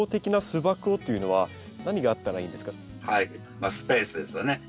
まあスペースですよね。